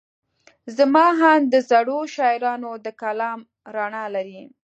زما اند د زړو شاعرانو د کلام رڼا لري.